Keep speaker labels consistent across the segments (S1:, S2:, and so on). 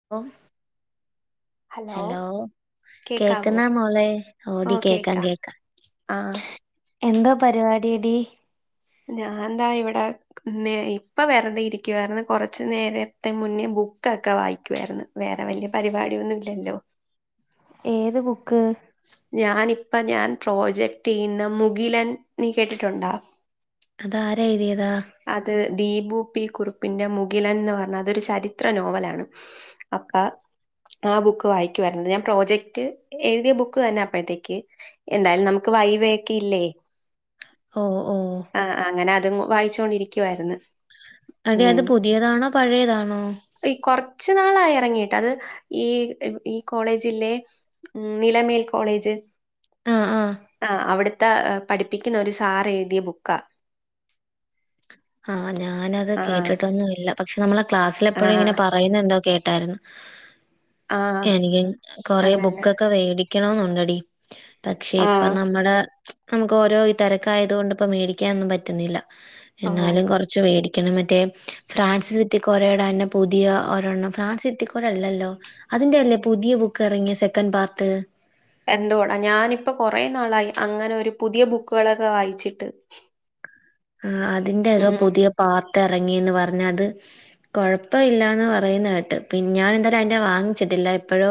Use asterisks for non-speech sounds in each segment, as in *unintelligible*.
S1: *unintelligible* Hello!
S2: കേക്കാവോ
S1: കേക്കുന്നാ മോളെ, ഓടി കേക്കാം, കേക്കാം.
S2: ആഹ്
S1: എന്തോ പരിപാടി ടീ?
S2: ഞാൻ ദാ ഇവിടെ. ക്ക്ന്നേ, ഇപ്പ വെറുതെ ഇരിക്കുവായിരുന്നു. കൊറച്ചു നേരത്തെ മുന്നേ ബുക്കൊക്കെ വായിക്കുവായിരുന്നു. വേറെ വലിയ പരിപാടിയൊന്നും ഇല്ലല്ലോ?
S1: ഏത് ബുക്ക്?
S2: ഞാൻ ഇപ്പോ ഞാൻ പ്രോജക്ട് ചെയ്യുന്ന മുകിലൻ, നീ കേട്ടിട്ടുണ്ടോ?
S1: അതാരെഴുതിയതാ?
S2: അത് ദീപു പി കുറുപ്പിന്റെ മുകിലൻ ന്ന് പറഞ്ഞാ അതൊരു ചരിത്ര നോവലാണ്. അപ്പ, ആ ബുക്ക് വായിക്കുവായിരുന്നു. ഞാൻ പ്രോജക്ട് എഴുതിയ ബുക് ക്ക് തന്നെ അപ്പോഴത്തേക്ക്, എന്തായാലും നമുക്ക് വൈവയൊക്കെ ഇല്ലേ?
S1: ഓഹ്! ഓഹ്!
S2: ആഹ്, അങ്ങനെ അതും വായിച്ചോണ്ടിരിക്കുവായിരുന്നു.
S1: അതെ, അത് പുതിയതാണോ? പഴയതാണോ?
S2: ഈ കൊറച്ചു നാളായി എറങ്ങിയിട്ട്. അത് ഈ ഈ കോളേജില്ലേ? ഉം. നിലമേൽ കോളേജ്
S1: ആഹ് ആഹ്
S2: ആ അവിടു. ത്തെ, പഠിപ്പിക്കുന്ന ഒരു സാർ എഴുതിയ ബുക്കാ.
S1: ഹാ! ഞാനത്
S2: ആഹ്
S1: കേട്ടിട്ടൊന്നു ഇല്ല. പക്ഷെ നമ്മളെ ക്ലാസ്സില് എപ്പഴും
S2: ആഹ്
S1: ഇങ്ങനെ പ അയ്നെന്തോ കേട്ടാരുന്നു.
S2: ആഹ്
S1: എനിക്ക്‌ കൊറേ
S2: അങ്ങനെ
S1: ബുക്കൊക്കെ വേടി ക്കണോന്നുണ്ട ടി, പക്ഷെ ഇപ്പം
S2: ആഹ്
S1: നമ്മടെ. നമുക്ക് ഓരോ ഈ തെരക്കായതോണ്ട് പ്പോ മേടിക്കാനൊന്നും പറ്റുന്നില്ല.
S2: ഓഹ്
S1: എന്നാലും കൊറ- ച്ച് വേടിക്കണം, മറ്റേ ഫ്രാൻസ് സിറ്റിക്കോരയുടെ ന്നെ പുതിയ ഒരെോണ്ണം. ഫ്രാൻസ് സിറ്റിക്കോര അല്ലല്ലോ. അതിന്റെയല്ലേ പുതിയ ബുക്ക് എറങ്ങിയെ, സെക്കൻഡ് പാർട്ട്.
S2: എന്തുവടാ, ഞാനിപ്പൊ കൊറെേ നാളായി അങ്ങനെ ഒരു പുതിയ ബുക്കുകളൊക്കെ വായിച്ചിട്ട്.
S1: ആഹ്, അതിന്റെേതോ
S2: ഉം
S1: പുതിയ പാർട്ട് എറങ്ങിന്ന് പറഞ്ഞു. അത് കൊഴപ്പല്ല്യന്ന് പറയുന്ന കേട്ട് പിന്നെ ഞാൻ എന്തായാലും അതിന്റെ വാങ്ങിച്ചിട്ടില്ല. എപ്പോഴോ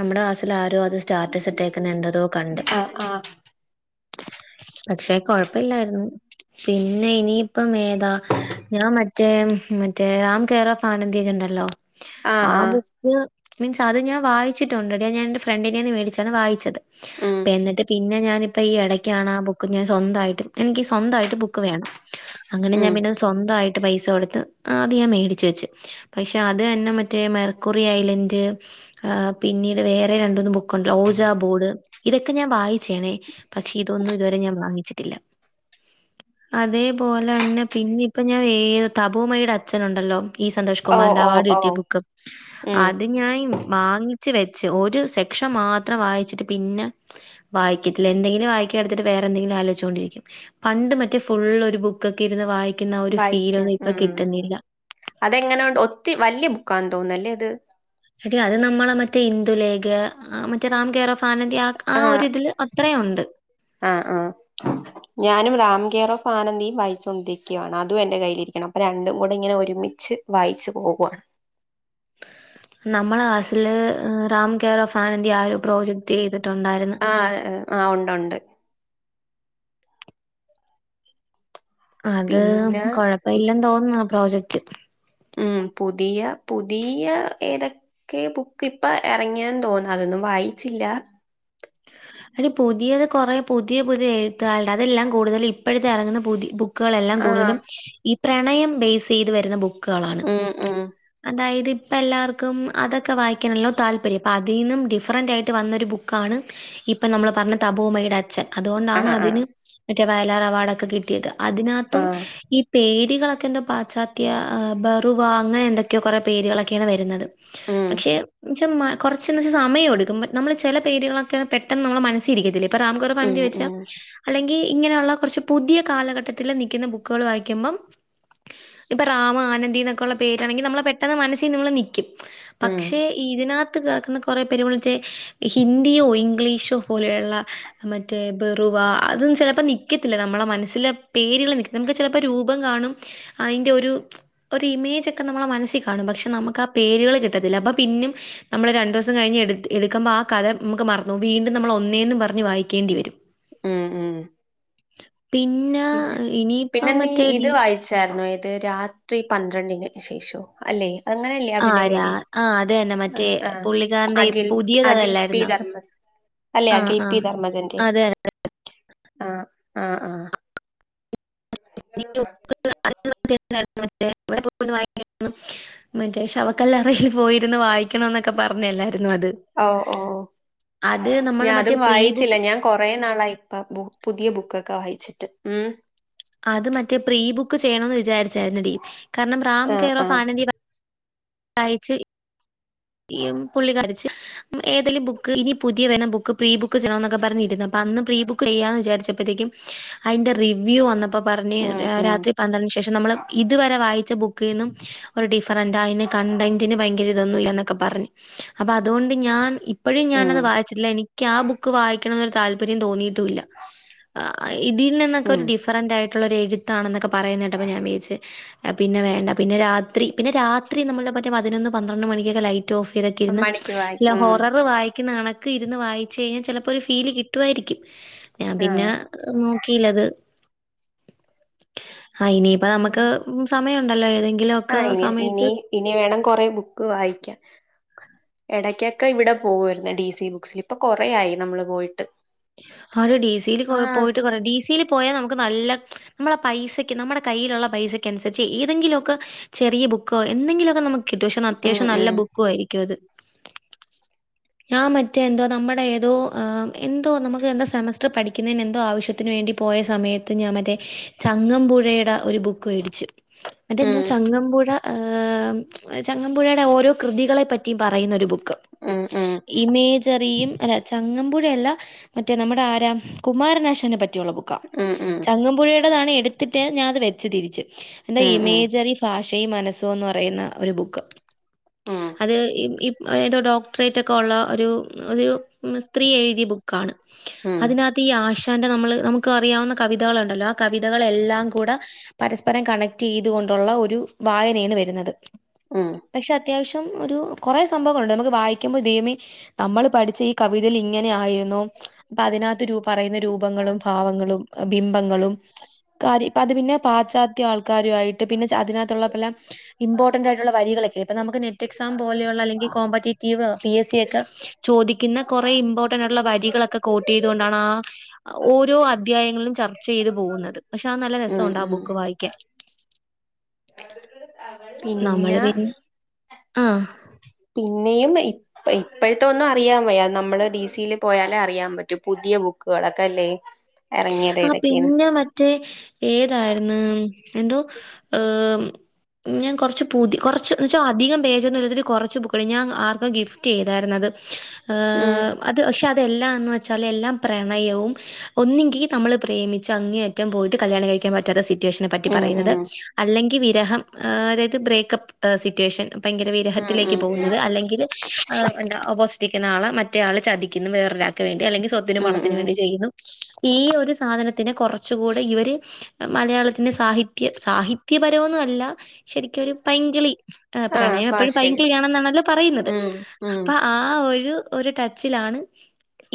S1: നമ്മുടെ കാസ്സിൽ ആരോ അത് സ്റ്റാറ്റസ് ഇട്ടേക്കുന്ന എന്തതോ കണ്ട്.
S2: ആഹ് ആഹ്
S1: പക്ഷെ കൊഴപ്പല്ലായിരുന്നു പിന്നെ ഇനിയിപ്പം ഏതാ ഞാ മറ്റേ മറ്റേ റാംമ്കേറാ ഫ് ആനന്തി ന്ന് ണ്ടല്ലോ
S2: ആഹ്
S1: ആ
S2: ആഹ്
S1: ബു. ത് മീൻസ് അത് ഞാൻ വായിച്ചിട്ടുണ്ടെടീ. ഞാനെന്റെ ഫ്രണ്ടിന്റേന്ന് മേടിച്ചാണ് വായിച്ചത്.
S2: ഉം
S1: അപ്പ എന്നിട്ട് പിന്നെ ഞാനിപ്പ ഈ എടയ്ക്കാണ് ആ ബുക്ക് ഞാൻ സ്വന്തായിട്ട് എനിക്ക് സ്വന്തായ് യ്ട്ട് ബുക്ക് വേണം അങ്ങനെ
S2: ഉം
S1: ഞാൻ പിന്നെ സ്വന്തായിട്ട് പൈസ കൊടുത്ത് അത് ഞാൻ മേടിച്ച് വെച്ച്. പയിക്ഷ അത് തന്നെ മറ്റേ മെർക്കുറി ഐലൻഡ്. ആ പിന്നീട് വേറെ രണ്ടൂന്ന് ബുക്കുണ്ട് ഓജ ബോർഡ് ഇതൊക്കെ ഞാൻ വായി. ച്ചേണേ പക്ഷെ ഇതൊന്നും ഇതുവരെ ഞാൻ വാങ്ങിച്ചിട്ടില്ല. അതേപോലെ ന്നെ പിന്നെ ഇപ്പ ഞാൻ ഏത് തബൂമയുടെ അച്ഛനുണ്ടല്ലോ. ഇ സന്തോഷ്
S2: ഓഹ്
S1: കുമാറിന്റെ
S2: ഓഹ്
S1: അവാർഡ് കിട്ടിയ
S2: ഓഹ്
S1: ബുക്ക്.
S2: ഉം
S1: അത് ഞൻ വാങ്ങിച്ച് വെച്ച് ഒരു സെക്ഷൻ മാത്രം വായിച്ചിട്ട് പിന്നെ. വായിക്കത്തില്ല എന്തെങ്കിലും വായിക്കാ എട്ത്തിട്ട് വേറെ എന്തെങ്കിലും ആലോചിച്ചുകൊണ്ടിരിക്കും. പണ്ട് മറ്റേ. ഫുൾ ഒരു ബുക്കൊക്കെ ഇരുന്ന് വായിക്കുന്ന ആ ഒരു
S2: വായിക്കാം
S1: ഫീലൊന്നും ഇപ്പൊ
S2: ഉം
S1: കിട്ടുന്നില്ല.
S2: അതെങ്ങനെ ഉണ്ട് ഒത്തി വലിയ ബുക്കാന്ന് തോന്നുന്നു അല്ലേ അത്.
S1: എടി അത് നമ്മളെ മറ്റേ ഹിന്ദുലേഗ മറ്റേ റാം കേെയർ ഓഫ് ആനന്ദി ആ. ആ ഒരിതില് അത്രയുംണ്ട്.
S2: ആഹ്ആഹ്. ഞാനും റാം കെയറോഫ് ആനന്ദിയും വായിച്ചുൊണ്ടിരിക്കുകയാണ് അതും എന്റെ കയ്യിലിരിക്ക്ണ്. അപ്പൊ രണ്ടും കൂടെ ഇങ്ങനെ ഒരുമിച്ച്. വായിച്ചു പോകുവാ
S1: നമ്മളെ ക്ലാസില് റാം കേറോഫാനന്തി ആരോ പ്രോജക്ട് ചെയ്തിട്ടുണ്ടായിര്ന്ന്.
S2: ആഹ് ആ ഉണ്ട് ഉണ്ട്.
S1: അത്
S2: പിന്നെ
S1: കൊഴപ്പ ഇല്ലെന്ന് തോന്ന്ന്ന് പ്രോജക്റ്റ്.
S2: ഉം പുതിയ പുതിയ ഏതൊ. ക്കെ ബുക്ക് ഇപ്പ എറങ്ങിയന്ന് തോന്ന്ന്നു അതൊന്നും വായിച്ചില്ല.
S1: എടീ പുതിയത് കൊറേ പുതിയ പുതിയ എഴുത്തുകാര്‌ടെ അതെല്ലാം കൂടുതൽ ഇപ്പോഴത്തെ എറങ്ങുന്ന പുതിയ ബു. ക്കുകളെല്ലാം
S2: ആ
S1: കൂടുതലും ഈ പ്രണയം ബേയ്സ് ചെയ്ത് വരുന്ന ബുക്കുകളാണ്.
S2: ഉം ഉം
S1: അതായത് ഇപ്പം എല്ലാവർക്കും അതൊക്കെ വായിക്കണല്ലോ താല്പര്യം അപ്പം അതിൽ നിന്നും ഡിഫറൻറ് ആയിട്ട് വന്നൊരു ബുക്കാണ്. ഇപ്പം നമ്മള് പറഞ്ഞ തബൂമ്മയുടെ അച്ഛൻ
S2: ആ
S1: അതുകൊണ്ടാണ്
S2: ആ
S1: അതിന് മറ്റേ വയലാർ അവാർഡൊക്കെ കിട്ടിയത്.
S2: ആ
S1: അതിനകത്തും ഈ പേര്കളൊക്കെ എന്തോ പാശ്ചാ. ത്യ ബറുവാങ്ങ എന്തൊക്കെയോ കുറെേ പേരുകളൊക്കെയാണ് വരുന്നത്.
S2: ഉം
S1: പക്ഷേ ക്ഷേ കൊറച്ച് ന്ന്‌വെച്ചാ സമയെടുക്കും നമ്മള് ചെല പേരുകളൊക്കെ പെട്ടെന്ന് നമ്മള മനസ്സിലിരിക്കത്തില്ലെ പ്പം റാം കെയർ. ആ
S2: ഉം
S1: നന്തി വായിച്ചാ
S2: ഉം
S1: അല്ലെങ്കി ഇങ്ങനെയുള്ള കൊറച്ച് പുതിയ കാലഘട്ടത്തിൽ നിൽക്കുന്ന ബുക്കുകൾ വായിക്കുമ്പം. ഇപ്പൊ റാം ആനന്ദി എന്നൊക്കെ ഉള്ള പേരാണെങ്കിൽ നമ്മളെ പെട്ടെന്ന് മനസ്സി നമ്മൾ നിക്കും.
S2: ഉം
S1: പക്ഷെ ഇതിനകത്ത് കെടക്കുന്ന കൊറെ പേരു വിളിച്ചെ ഹിന്ദിയോ ഇ ഇംഗ്ലീഷോ പോലെയുള്ള. മറ്റേ ബെറുവ അതൊന്നും ചിലപ്പോ നിക്കത്തില്ല നമ്മളെ മനസ്സിലെ പേരുകൾ നിക്ക നമുക്ക് ചിലപ്പോ രൂപം കാണും. അയ്ന്റെ ഒരു ഒരു ഇമേജ് ഒക്കെ നമ്മളെ മനസ്സിൽ കാണും പക്ഷെ നമുക്ക് ആ പേരുകൾ കിട്ടത്തില്ല. അപ്പ പിന്നും നമ്മള് രണ്ടൂസം കഴിഞ് എട് എടുക്കുമ്പ ആ കഥ നമുക്ക് മറ. ന്നു വീണ്ടും നമ്മൾ ഒന്നേന്ന് പറഞ് വായിക്കേണ്ടി വരും.
S2: ഉം ഉം
S1: പിന്നെ
S2: പിന്നെ പിന്നെ
S1: ഇനിയിപ്പം
S2: നീ
S1: മറ്റേ
S2: ഇത്
S1: ഡി
S2: വായി ച്ചാര്ന്നേ ഏത് രാത്രി പന്ത്രണ്ടിന് ശേഷോ അല്ലേ അങ്ങനെയല്ലേ
S1: ആ
S2: അതിന്റെ
S1: രാ
S2: പേരി
S1: ആ അത് തന്നെ മറ്റേ
S2: ആഹ്
S1: പുള്ളിക്കാരന്റെ ഈ
S2: അഖിൽ
S1: പുതിയത്
S2: അഖിൽ പി
S1: അതല്ലായിരുന്നോ?
S2: ധർമ്മസ് അല്ലെ
S1: ആ
S2: അഖിൽ
S1: ആ
S2: പി ധർമ്മജന്റെ
S1: അത് തന്നെ.
S2: ആഹ് ആഹ് ആഹ്
S1: *unintelligible* മറ്റേ ശവക്കല്ലറയിൽ പോയിരുന്നു വായിക്കണം എന്നൊക്കെ പറഞ്ഞല്ലായിരുന്നോ അത്
S2: ഓ ഓ
S1: അത് നമ്മള് മറ്റേ
S2: ഞാനും
S1: പ്രീ
S2: വായിച്ചില്ല
S1: ബുക്ക്
S2: ഞാൻ കൊറേ നാളായിപ്പം പുതിയ ബുക്കൊക്കെ വായിച്ചിട്ട് ഉം
S1: അത് മറ്റേ പ്രീബുക്ക് ചെയ്യണമന്ന് വിചാരിച്ചായിരുന്നെടി കാരണം റാം
S2: ആഹ്
S1: കേ ഓഫ്
S2: ആഹ്
S1: ആനന്ദ അയച്ച് ഈ പുള്ളി കരിച്ച് ഏതേലും ബുക്ക് ഇനി പുതിയ വരുന്ന ബുക്ക് പ്രീ ബുക്ക് ചെയ്യണമെന്നൊക്കെ പറഞ്ഞിരുന്നു അപ്പൊ അന്ന് പ്രീ ബുക്ക് ചെയ്യാന്ന് വിചാരിച്ചപ്പോഴത്തേക്കും അതിന്റെ റിവ്യൂ വന്നപ്പോ പറഞ്ഞ്
S2: ഉം ഉം
S1: രാത്രി പന്ത്രച് പക്ഷെ നമ്മള് ഇതുവരെ വായിച്ച ബുക്കിൽ നിന്നും ഒരു ഡിഫറൻറ് ആയി കണ്ടന്റിന് ഭയങ്കര ഇതൊന്നുവില്ല ന്നൊക്കെ പറഞ്ഞു അപ്പൊ അതുകൊണ്ട് ഞാൻ ഇപ്പോഴും
S2: ഉം
S1: ഞാനത് വായിച്ചിട്ടില്ല എനിക്ക് ആഹ് ബുക്ക് വായിക്കണം എന്നൊരു താല്പര്യം തോന്നിയിട്ടുവില്ല ഇതിൽ നിന്നൊക്കെ ഒരു
S2: ഉം
S1: ഡിഫ കറന്റായിട്ടുള്ള ഒരു എഴുത്താണൊന്നൊക്കെ പറയുന്നു കേട്ടപ്പം ഞാൻ വിചാരിച്ച് പിന്നെ വേണ്ട പിന്നെ രാത്രി പിന്നെ രാത്രി നമ്മളെ മറ്റേ പതിനൊന്ന്. പന്ത്രണ്ട് മണിക്കൊക്കെ ലൈറ്റ് ഓഫ്ചെയിതിട്ടിരുന്ന്
S2: മണിക്ക് വായി
S1: ഞാൻ
S2: ഉം
S1: ഹൊററ് വായിക്കുന്നതാണ് ഇരുന്ന് വായിച്ചു കഴിഞ്ഞാൽ ചിലപ്പോ ഒരു ഫീല് കിട്ടുവായിരിക്കും ഞാൻ പിന്നെ
S2: ആഹ്
S1: നോക്കിയില്ലത് ആഹ് ഇനി ഇപ്പൊ നമുക്ക് ഉം സമയമുണ്ടല്ലോ ഏതെങ്കിലും ഒക്കെ
S2: ആഹ് ഇനി
S1: സമയത്ത്
S2: ഇനി ഇനി വേണം കൊറെ ബുക്ക് വായിക്കാൻ ഇടക്കൊക്കെ ഇവിടെ പോകുവമായിരുന്നു ഡിസി ബുക്സിൽ ഇപ്പൊ കൊറേ ആയി നമ്മള് പോയിട്ട്
S1: ആഹ് ഡിസിൽ
S2: ആഹ്
S1: പോയിട്ട് കുറെ ഡിസിൽ പോയാൽ നമുക്ക് നല്ല നമ്മളെ പൈസക്ക് നമ്മുടെ കയ്യിലുള്ള പൈസക്ക് അനുസരിച്ച് ഏതെങ്കിലുമൊക്കെ ചെറിയ ബുക്കോ എന്തെിലുമൊക്കെ നമുക്ക് കിട്ടും പക്ഷേ
S2: ഉം
S1: അത്യാവശം നല്ല
S2: ഉം
S1: ബുക്ക് യിരിക്കും അത് ഞാൻ മറ്റേ എന്തോ നമ്മുടെ ഏതോ എ നമുക്ക് എന്തോ സെമസ്റ്റർ പഠിക്കുന്നതിന് എന്തോ ആവശ്യത്തിന് വേണ്ടി പോയ സമയത്ത് ഞാൻ മറ്റേ ചങ്ങമ്പുഴയുടെ ഒരു ബുക്ക് മേടിച്ചു മറ്റേ എന്തോ
S2: ഉം
S1: ചങ്ങമ്പുഴ ചങ്ങമ്പുഴയുടെ ഓരോ കൃതികളെ പറ്റിയും പറയുന്നൊരു ബുക്ക്
S2: ഉം ഉം ഉം
S1: ഇമേജറിയും അല്ല ചങ്ങമ്പുഴയല്ല മറ്റേ നമ്മുടെ ആരാ കുമാരനാശാനെ പറ്റിയുള്ള ബുക്കാ
S2: ഉം ഉം
S1: ചങ്ങമ്പുഴേടേതാണ് എടു ത്തിട്ട് ഞനത് വെച്ചു തിരിച്ച് എ
S2: ഉം
S1: ഇമേജറി ഭാഷയും മനസ്സും എന്ന് പറയുന്ന ഒരു ബുക്ക്
S2: ഉം
S1: അത് ഈ ഈ ഏതോ ഡോക്ടറേറ്റ് ഒക്കെ ഉള്ള ഒരു സ്ത്രീ എഴുതിയ ബുക്കാണ്
S2: ഉം
S1: അതിനകത്ത് ഈ ആശാന്റെ നമ്മള് നമുക്ക് അറിയാവുന്ന കവിതകളുണ്ടല്ലോ ആ കവിതകളെ എല്ലാം കൂടെ പരസ്പരം കണക്ട് ചെയ്തു കൊണ്ടുള്ള ഒരു വായനയാണ് വരുന്നത്
S2: ഉം
S1: പക്ഷെ അത്യാവശ്യം ഒരു കുറെ സംഭവങ്ങളുണ്ട് നമുക്ക് വായിക്കുമ്പോൾ ദൈവമേ നമ്മൾ പഠിച്ച ഈ കവിതയിൽ ഇങ്ങനെ ആയിരുന്നു അപ്പൊ അതിനകത്ത് രൂ പറയുന്ന രൂപങ്ങളും ഭാവങ്ങളും ബിംബങ്ങളും കാര് ഇപ്പൊ അത് പിന്നെ പാശ്ചാത്യ ആൾക്കാരുവായിട്ട് പിന്നെ അതിനകത്തുള്ള പല ഇമ്പോർട്ടന്റ് ആയിട്ടുള്ള വരികളൊക്കെ ഇപ്പൊ നമുക്ക് നെറ്റ് എക്സാം പോലെയുള്ള അല്ലെങ്കിൽ കോമ്പറ്റേറ്റീവ് പി എസ് സി ഒക്കെ ചോദിക്കുന്ന കുറേ ഇമ്പോർട്ടന്റായിട്ടുള്ള വരി ഒക്കെ കോട്ട് ചെയ്തുകൊണ്ടാണ് ആഹ് ഓരോ അധ്യായങ്ങളിലും ചർച്ച ചെയ്ത് പോകുന്നത് പക്ഷെ അത് നല്ല
S2: ഉം
S1: രസവുണ്ട് ആഹ്
S2: ഉം
S1: ബുക്ക് വായിക്കാൻ നമ്മള് പിന്നെ ആഹ്
S2: പിന്നെയും ഏ ഇപ്പോഴത്തെ ഒന്നും അറിയാൻ വയ്യാ നമ്മള് ഡിസീല് പോയാലേ അറിയാൻ പറ്റു പുതിയ ബുക്കുകളൊക്കെ അല്ലേ ഇറങ്ങിയത്
S1: ആഹ്
S2: ഏതൊക്കെയാണ്
S1: പിന്നെ മറ്റേ ഏതായിരുന്നു എന്തോ ആഹ് ഞാൻ കുറച്ച് പുതി കുറച്ച് എന്ന വെച്ചാ അധികം പേജൊന്നുമില്ലാത്ത ഒരു കുറച്ച് ബുക്ക്‌ ആർക്കോ ഗിഫ്റ്റ് ചെയ്തായിരുന്നത്
S2: ഉം
S1: അത് പക്ഷെ അതെല്ലാന്ന് വെച്ചാൽ എല്ലാം പ്രണയവും ഒന്നെങ്കി നമ്മള് പ്രേമിച്ച് അങ്ങേയറ്റം പോയിട്ട് കല്യാണം കഴിക്കാൻ പറ്റാത്ത സിറ്റുവേഷനെ പറ്റി
S2: ഉം ഉം
S1: പറയുന്നത് ല്ലെങ്കിൽ വിരഹം തായത് ബ്രേക്കപ്പ് സിറ്റേഷൻ ഭയങ്കര
S2: ഉം
S1: വിരഹത്തിലേക്ക്
S2: ഉം ഉം
S1: പോകുന്നത് അല്ലെങ്കിൽ ആ എന്ത ഓപ്പോസിറ്റിക്കുന്ന ആള് മറ്റേ ആള് ചതിക്കുന്നു വേറൊരാക്ക് വേണ്ടി അല്ലെങ്കിൽ സ്വത്തിനും
S2: ഉം
S1: പണത്തിനും
S2: ഉം
S1: വേണ്ടി ചെയ്യുന്നു ഈ ഒരു സാനത്തിന് കുറച്ച കൂടെ ഇവര് മലയാളത്തിന്റെ സാഹിത്യ സാഹിത്യപരന്നുല്ല ശരിക്കരു പൈങ്കിളി
S2: ആഹ്
S1: പ്രണയം പ്പോഴും
S2: ഭാഷയില്
S1: ബൈങ്കിയണെന്നല്ലോ പറയുന്നത്
S2: ഉം ഉം
S1: അപ്പൊ ആ ഒരു ഒരു ടച്ചിലാണ്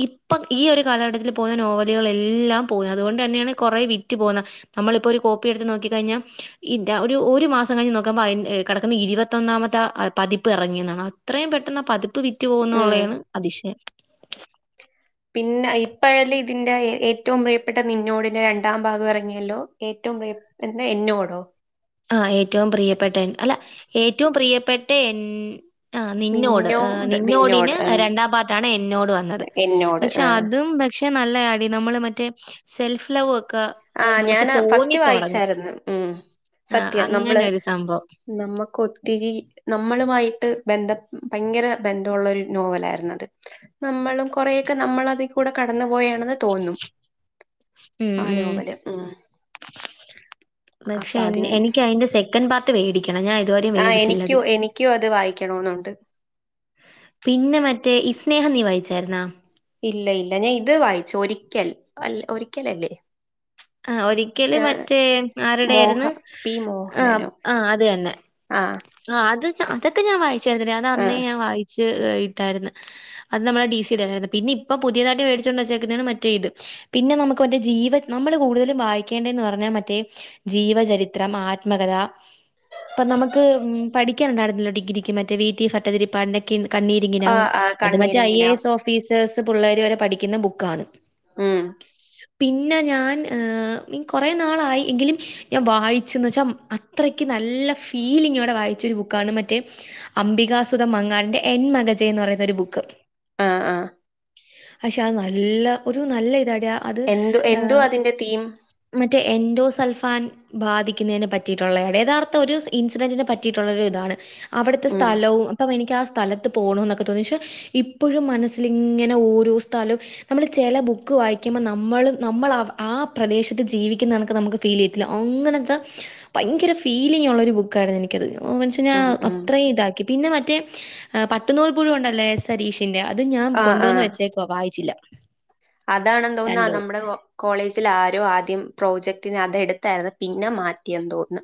S1: ഇപ്പം ഈ ഒരു കാലഘട്ടത്തിൽ നോവലുകളെല്ലാം പോകുന്നത് അതുകൊണ്ടാണ് കുറേ വിറ്റ് പോകുന്നത് നമ്മളിപ്പോ ഒരു കോപ്പി എടുത്ത് നോക്കി കഴിഞ്ഞാൽ ഇ ഒരു മാസം കഴിഞ് നോക്കുമ്പോൾ കിടക്കുന്ന ഇരുപ ന്നാമത്തെ പതിപ്പിറങ്ങിയതാണ് അത്രയും പെട്ടെന്ന് പതിപ്പ് വിറ്റു
S2: ഉം
S1: പോകുന്നുള്ളതാണ് അതിശയം
S2: പിന്നെ ഇപ്പോഴല്ല തിന്റെ ഏറ്റവും പ്രിയപ്പെട്ട നിഞ്ഞോടിന്റെ രണ്ടാം ഭാഗം ഇറങ്ങിയല്ലോ ഏറ്റവും പ്രിയപ്പെ എന്താ എന്നോടോ
S1: ആ ഏറ്റവും പ്രിയപ്പെട്ട എൻ അല്ല ഏറ്റവും പ്രിയപ്പെട്ട എൻ ആഹ് നിന്നോട് നിന്നോടിന്
S2: നിന്നോട് ആഹ്
S1: രണ്ടാം പാട്ടാണ് എന്നോട് വന്നത്
S2: എന്നോട്
S1: പക്ഷെ
S2: ആഹ്
S1: അതും പക്ഷെ നല്ല അടി നമ്മള് മറ്റേ സെൽഫ് ലൗ ഒക്കെ
S2: ആഹ്
S1: നമുക്ക്
S2: ഞാനാ ഫസ്റ്റ്
S1: തോന്നി തുടങ്ങും
S2: വായിച്ചായിരുന്നു ഉമ്
S1: ആ
S2: സത്യം
S1: അങ്ങനെ
S2: നമ്മള്
S1: ഒരു സംഭവം
S2: നമ്മക്കൊത്തിരി നമ്മളുമായിട്ട് ബന്ധം ഭയങ്കര ബന്ധമുള്ള ഒരു നോവലായിരുന്നു അത് നമ്മളും കുറെക്കെ നമ്മളതി കൂടെ കടന്നു പോയാണ് തോന്നും
S1: ഉം
S2: ആ
S1: ഉം
S2: നോവലാ ഉമ്
S1: പക്ഷെ എനിക്ക് അതിൻ്റെ സെക്കൻഡ് പാർട്ട് വേടിക്കണം ഞാനുതുവരെയും മേടിച്ചില്ല അത്
S2: ഇൻക്യ അത് വായിക്കണന്നുണ്ട്
S1: പിന്നെ മറ്റേ ഇസ്നേഹം നീ വായിച്ചായിരുന്നാ
S2: ഇല്ല ല്ല ഞാൻ ഇത് വായിച്ചു ഒരിക്കൽ അല്ല ഒരിക്കല ല്ലേ
S1: ആഹ് ഒരിക്കല് മറ്റേ
S2: മോഹ
S1: ആരുടൊയിരുന്നു
S2: പി
S1: ആഹ്
S2: മോഹനനോ
S1: ആഹ് അത് തന്നെ
S2: ആഹ്
S1: ആഹ് അത് അതൊക്കെ ഞാൻ വായിച്ചായിരുന്ന അത് അന്നേ
S2: ആഹ്
S1: ഞാൻ വായിച്ചട്ടായിരുന്നു അത് നമ്മുടെ ഡി സിടെരുന്നു പിന്നെപ്പൊ പുതിയതായിട്ട് മേടിച്ചുകൊണ്ട് വെച്ചേക്കുന്നതാ മറ്റേ ഇത് പിന്നെ നമുക്ക് മറ്റെ ജീവ നമ്മള് കൂടുതലും വായിക്കേണ്ടന്ന് പറഞ്ഞ മറ്റേ ജീവചരിത്രം ആത്മകഥ ഇപ്പൊ നമുക്ക് പഠിക്കാനുണ്ടായിരുന്നില്ല ഡിഗ്രിക്ക് മറ്റേ വി ഭട്ടതിരിപ്പാടിന്റെ കണ്ണീരിങ്ങിനാവും
S2: ആഹ് ആഹ്
S1: അത് മറ്റേ ഐ എ
S2: കണ്ണീരിങ്ങിനാ
S1: എസ് ഓഫീസേഴ്സ് പിള്ളേർ വരെ പഠിക്കുന്ന ബുക്കാണ്
S2: ഉമ്
S1: പിന്നെ ഞാൻ ഏഹ് കൊറെ നാളായിങ്കിലും ഞാൻ വായിച്ചന്ന് ച്ചാ അത്രയ്ക്ക് നല്ല ഫീലിങ്ങോടെ വായിച്ച ഒരു ബുക്കാണ് മറ്റേ അംബികാസുതം മങ്ങാടിന്റെ എൻ മകജ എന്ന് പറയുന്ന ഒരു ബുക്ക്
S2: ആഹ് ആഹ്
S1: ക്ഷെ ആഹ് നല്ല ഒരു നല്ല ഇതാടെ
S2: എന്ത് എന്തോ അതിന്റെ തീം
S1: മറ്റേ എൻഡോ സൾഫാൻ ബാധിക്കുന്നതിനെ പറ്റിയിട്ടുള്ള യഥാർത്ഥ ഒരു ഇൻസിഡന്റിനെ പറ്റിയിട്ടുള്ള ഒരു ഇതാണ് അവിടുത്തെ
S2: ഉം
S1: സ്ഥലവും അപ്പം എനിക്ക് ആ സ്ഥലത്ത് പോണു ന്നൊക്കെ തോന്നി ഇപ്പോഴും മനസ്സിൽങ്ങനെ ഓരോ സ്ഥലം നമ്മള് ചില ബുക്ക് വായിക്കുമ്പോ നമ്മളും നമ്മളാ ആ പ്രദേശത്ത് ജീവിക്കുന്ന കണക്ക നമുക്ക് ഫീൽ ചെയ്യത്തില്ല അങ്ങനത്തെ ഭയങ്കര ഫീലിംഗ്ള്ള ഒരു ബുക്കായിരുന്നു എനിക്കത് ഓമൻജ് ഞാൻ
S2: ഉം ഉം
S1: അത്രയും ഇതാക്കി പിന്നെ മറ്റേ പട്ടുന്നൂൽ പുഴുഉണ്ടല്ലേ. സരീഷിന്റ അത് ഞാൻ
S2: ആഹ്
S1: കൊണ്ടുവന്ന് വെച്ചേക്ക വായിച്ചില്ല
S2: അതാണ് തോന്നുന്ന നമ്മുടെ കോളേജിൽ ആരോ ആദ്യം പ്രോജക്ടിന് അത എടുത്തായിരുന്നു പിന്നെ മാറ്റിയെന്ന് തോന്നുന്നു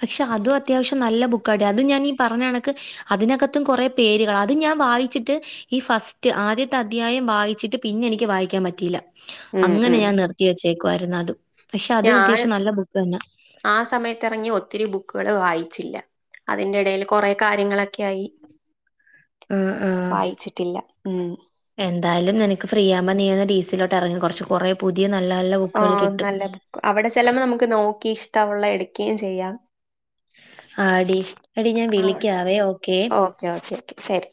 S1: പക്ഷെ അതും അത്യാവശ്യം നല്ല ബുക്കാടി അത് ഞാൻ ഈ പറഞ്ഞ കണക്ക് അതിനകത്തും കൊറെ പേരുകൾ അതും ഞാൻ വായി ചിട്ട് ഈ ഫസ്റ്റ് ആദ്യത്തെ അധ്യായം വായിച്ചിട്ട് പിന്നെ എനിക്ക് വായിക്കാൻ പറ്റിയില്ല
S2: ഉം
S1: അങ്ങനെ
S2: ഉം
S1: ഞാൻ നിർത്തി വെച്ചേക്കുവായിരുന്നു അത് പക്ഷെ അതും
S2: ഞാൻ
S1: അത്യാവശ്യം നല്ല ബുക്ക് തന്നാ
S2: ആ സമയത്ത് എറങ്ങിയ ഒത്തിരി ബുക്കുകള് വായിച്ചില്ല അതിന്റെ എടയിൽ കൊറെ കാര്യങ്ങൾ ഒക്കൊയായി
S1: ആഹ് ആഹ്
S2: വായിച്ചിട്ടില്ല ഉം
S1: എന്തായാലും നിനക്ക് ഫ്രീ ആകുമ്പം നീ ഒന്ന് ഡീസിലോട്ട് എറങ്ങ് കൊറച്ച് കൊറയും പുതിയ നല്ല നല്ല
S2: ആ
S1: ബുക്കുകൾ കിട്ടും
S2: നല്ല ബുക്ക് അവിടെ ചെല്ലുമ്പോൾ നമുക്ക് നോക്കി ഇഷ്ടമുള്ള എടുക്കയും ചെയ്യാം
S1: ആടീ എടി ഞാൻ വിളിക്കാവേ ഓക്കെ
S2: ഓക്കെ ഓക്കേ ശരി